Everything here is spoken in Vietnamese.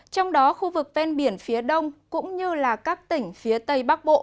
trong đó khu vực ven biển phía đông cũng như các tỉnh phía tây bắc bộ